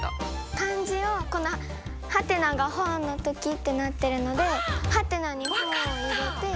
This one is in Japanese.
漢字を「ハテナが本の時」ってなっているのでハテナに「本」を入れて。